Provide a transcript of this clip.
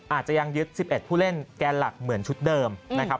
อาจจะยังยึด๑๑ผู้เล่นแกนหลักเหมือนชุดเดิมนะครับ